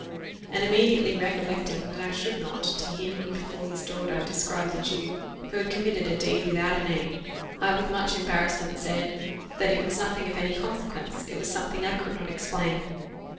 And immediately recollecting that I should not, to him, and before his daughter, describe the Jew, who had committed a deed without a name, I with much embarrassment said, that "it was nothing of any consequence it was something I could not explain."